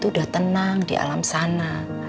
tuh udah tenang di alam sana